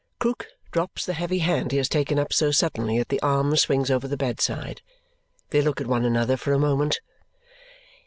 Krook drops the heavy hand he has taken up so suddenly that the arm swings over the bedside. They look at one another for a moment.